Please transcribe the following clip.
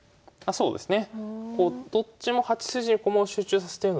そうですね。